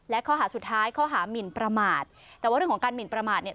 และข้อหาสุดท้ายข้อหามินประมาทแต่ว่าเรื่องของการหมินประมาทเนี่ย